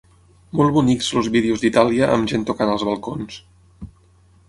Molt bonics els vídeos d’Itàlia amb gent tocant als balcons.